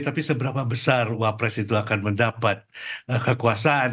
tapi seberapa besar wapres itu akan mendapat kekuasaan